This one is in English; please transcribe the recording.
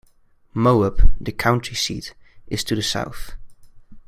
Moab, the county seat, is to the south.